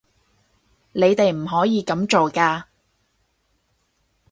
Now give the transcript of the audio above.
你哋唔可以噉做㗎